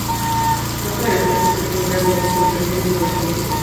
Mapa de los tipos de tundra según su ubicación y formación vegetal